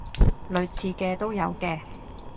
類似嘅都有嘅